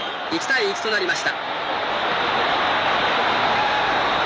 １対１となりました。